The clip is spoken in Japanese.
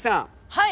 はい！